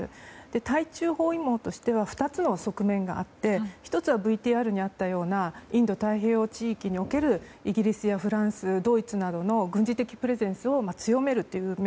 対中包囲網としては２つの側面があって１つはＶＴＲにあったようなインド太平洋地域におけるイギリスやフランスドイツなどの軍事的プレゼンスを強めるという面。